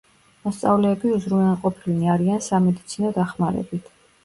მოსწავლეები უზრუნველყოფილნი არიან სამედიცინო დახმარებით.